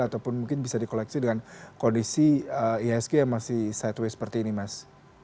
ataupun mungkin bisa di koleksi dengan kondisi ihsg yang masih sideway seperti ini mas